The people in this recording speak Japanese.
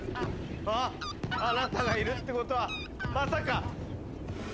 ああっあなたがいるってことはまさか。